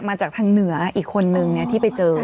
มาจากฐังเหนืออ่ะอีกคนนึงน่ะที่ไปเจอกัน